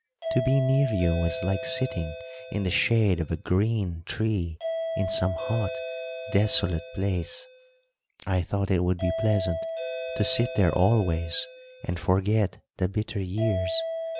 To be near you was like sitting in the shade of a green tree in some hot, desolate place. I thought it would be pleasant to sit there always and forget the bitter years.